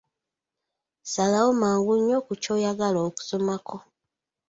Salawo mangu nnyo ku ky'oyagala okusomako.